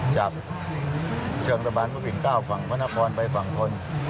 จากเชิงตะบานพระวิน๙ฝั่งพระนครไปฝั่งทน